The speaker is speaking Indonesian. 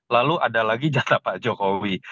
lalu ada lagi jatah pak jokowi